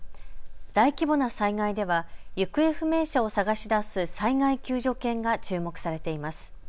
大規模な災害では行方不明者を捜し出す災害救助犬が注目されています。